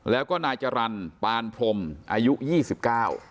แล้วก็นายจรรย์ปานพรมอายุยี่สิบเก้า